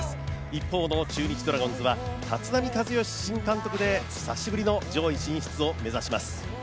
一方の中日ドラゴンズは立浪監督新監督で久しぶりの上位進出を目指します。